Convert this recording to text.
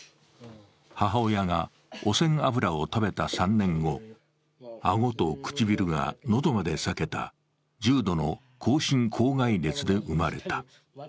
母親が汚染油を食べた３年後、顎と唇が喉まで裂けた、重度の口唇口蓋裂で生まれた。